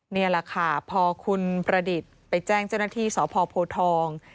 นี่แหละค่ะพอคุณประดิษฐ์ไปแจ้งเจ้าหน้าที่สพโพทอง